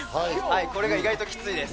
これが意外ときついです。